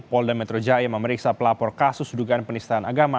polda metro jaya memeriksa pelapor kasus dugaan penistaan agama